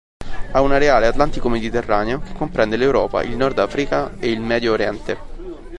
Ha un areale atlantico-mediterraneo che comprende l'Europa, il Nord Africa e il Medio Oriente.